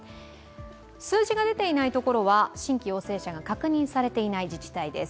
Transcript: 数字が出ていないところは新規陽性者が確認されていない自治体です。